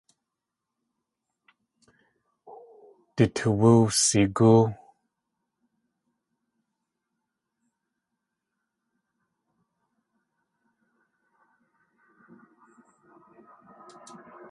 Du toowú wsigóo.